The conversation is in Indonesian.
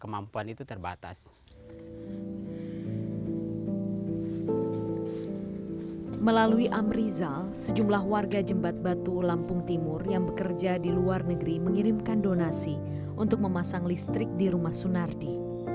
melalui amrizal sejumlah warga jembatan batu lampung timur yang bekerja di luar negeri mengirimkan donasi untuk memasang listrik di rumah sunardi